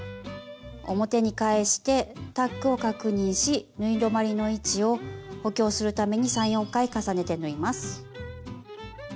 表に返してタックを確認し縫い止まりの位置を補強するために３４回重ねて縫います。